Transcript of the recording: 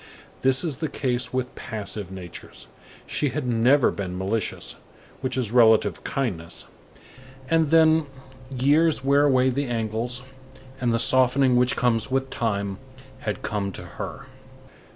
This is the case with passive natures. She had never been malicious, which is relative kindness; and then, years wear away the angles, and the softening which comes with time had come to her.